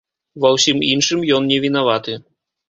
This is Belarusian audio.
Ва ўсім іншым ён не вінаваты.